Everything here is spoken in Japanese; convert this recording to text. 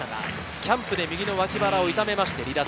キャンプで右のわき腹を痛めて離脱。